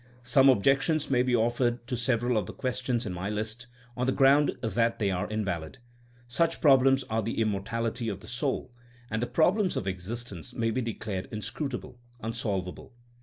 Some objections may be offered to several of the questions in my list, on the ground that they are invalid. Such problems as the immortality of the sotd and the problem of existence may be declared inscrutable, unsolvable.